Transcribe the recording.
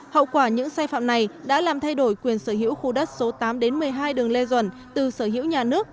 hậu quả những sai phạm này đã làm thay đổi quyền sở hữu khu đất số tám một mươi hai đường lê duẩn từ sở hữu nhà nước